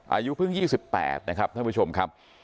อายุพึง๒๘นะครับบุจวบคุมครับ